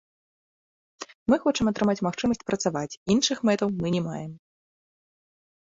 Мы хочам атрымаць магчымасць працаваць, іншых мэтаў мы не маем.